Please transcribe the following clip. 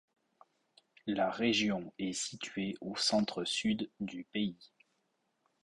La région est située au centre-sud du pays.